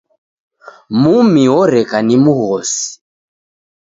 Mumi oreka ni mghosi.